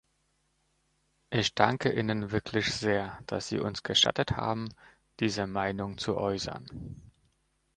Ich danke Ihnen wirklich sehr, dass Sie uns gestattet haben, diese Meinung zu äußern.